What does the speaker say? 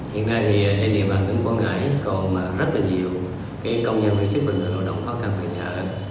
hiện nay thì trên địa bàn tỉnh quảng ngãi còn rất là nhiều công nhân viên chức và người lao động khó khăn về nhà ấn